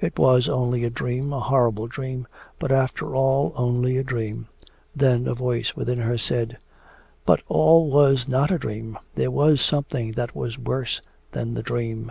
'It was only a dream, a horrible dream, but after all, only a dream.' Then a voice within her said, 'But all was not a dream there was something that was worse than the dream.'